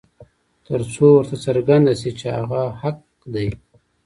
تر څو ورته څرګنده شي چې هغه حق دى.